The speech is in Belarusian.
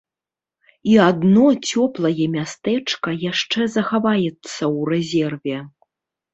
І адно цёплае мястэчка яшчэ захаваецца ў рэзерве.